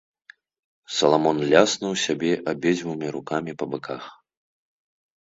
Саламон ляснуў сябе абедзвюма рукамі па баках.